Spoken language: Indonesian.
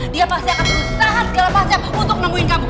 dia pasti akan berusaha segala macam untuk nemuin kamu